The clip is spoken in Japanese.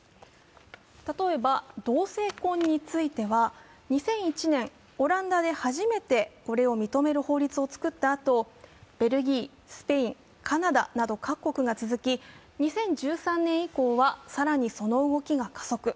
例えば同性婚については、２００１年、オランダで初めてこれを認める法律を作ったあとベルギー、スペイン、カナダなど各国が続き、２０１３年以降はさらにその動きが加速。